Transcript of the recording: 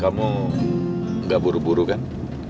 kamu nggak buru buru kan